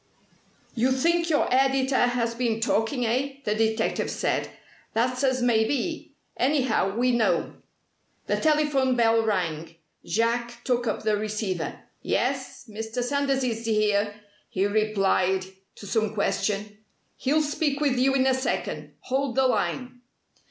"You think your editor has been talking, eh?" the detective said. "That's as may be. Anyhow, we know." The telephone bell rang. Jack took up the receiver. "Yes, Mr. Sanders is here," he replied to some question. "He'll speak with you in a second. Hold the line."